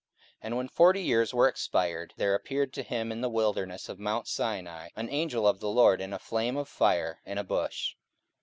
44:007:030 And when forty years were expired, there appeared to him in the wilderness of mount Sina an angel of the Lord in a flame of fire in a bush.